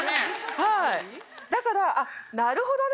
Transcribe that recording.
はいだからなるほどね